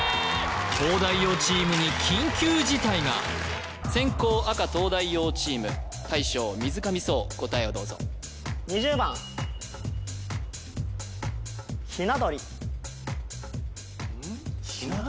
東大王チームに緊急事態が先攻赤・東大王チーム大将・水上颯答えをどうぞうんっ？